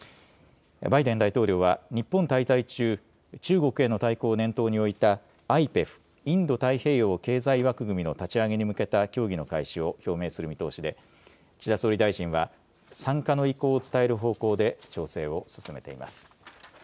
バイデン大統領は日本滞在中、中国への対抗を念頭に置いたＩＰＥＦ・インド太平洋経済枠組みの立ち上げに向けた協議の開始を表明する見通しで岸田総理大臣は参加の意向を伝える方向で調整を進めています。